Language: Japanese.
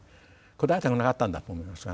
答えたくなかったんだと思いますがね。